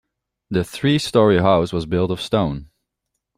The three story house was built of stone.